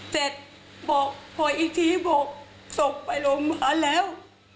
เสร็จบอกพออีกทีบอกส่งไปโรงพยาบาลแล้ว